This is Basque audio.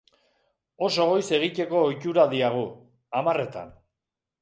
Oso goiz egiteko ohitura diagu, hamarretan.